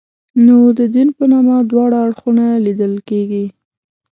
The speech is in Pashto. نو د دین په نامه دواړه اړخونه لیدل کېږي.